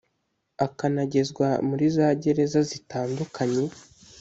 akanagezwa muri za Gereza zitandukanye